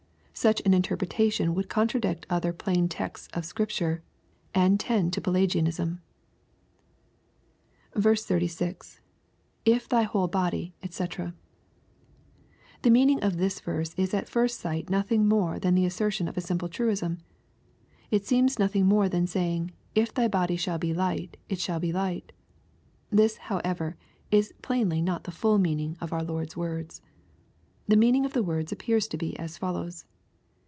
Such an interpretation would contradict other plain texts of Scripture, and tend to Pelagianism. 36. — [If thy whole hody^ d>c.] The meaning of this verse is at first sight nothing more than the assertion of a simple truism. It seems nothing more than saying, If thy body shall be light, it shall be light" This, however, is plainly not the full meaning of our Lord's words. The meaning of the words appears to be as follows.